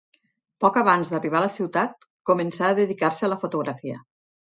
Poc abans d'arribar a la ciutat, començà a dedicar-se a la fotografia.